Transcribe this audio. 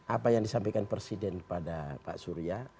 apa yang disampaikan presiden kepada pak surya